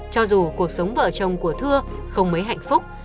cho dù cuộc sống vợ chồng của thưa không mấy hạnh phúc